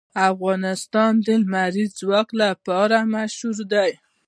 افغانستان د لمریز ځواک لپاره مشهور دی.